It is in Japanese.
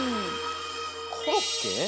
コロッケ？